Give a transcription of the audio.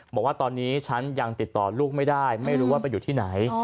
บอกว่าตอนนี้ฉันยังติดต่อลูกไม่ได้ไม่รู้ว่าไปอยู่ที่ไหน